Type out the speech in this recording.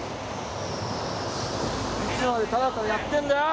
いつまでタラタラやってんだよ！